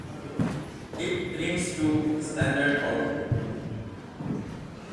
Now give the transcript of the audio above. It prints to standard output.